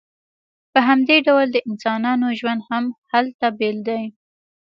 په همدې ډول د انسانانو ژوند هم هلته بیل دی